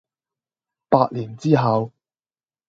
百年之後